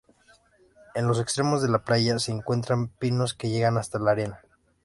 En los extremos de la playa se encuentran pinos que llegan hasta la arena.